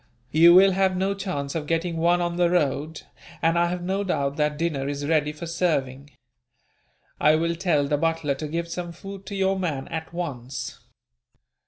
You will have no chance of getting one on the road, and I have no doubt that dinner is ready for serving. I will tell the butler to give some food to your man, at once."